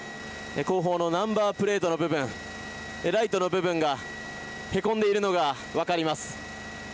後方のナンバープレートの部分ライトの部分がへこんでいるのが分かります。